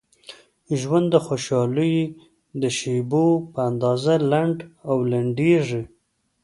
ژوند د خوشحالۍ د شیبو په اندازه لنډ او لنډیږي.